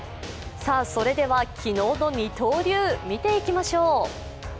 それでは昨日の二刀流、見ていきましょう。